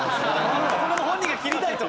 これも本人が切りたいと。